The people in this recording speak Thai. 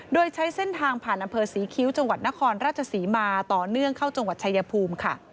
โดยใช้เส้นทางผ่านอำเภอศรีคิ้วจังหวัดนครราชศรีมาต่อเนื่องเข้าจังหวัดชายภูมิค่ะ